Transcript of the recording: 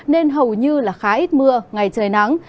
nên hầu như là khá ít mưa ngày trời nắng